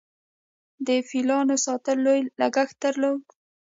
د فیلانو ساتل لوی لګښت درلود